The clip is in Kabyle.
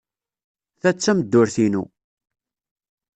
Ta d tameddurt-inu.